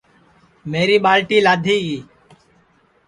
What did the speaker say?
میری ٻالٹی لادھی گی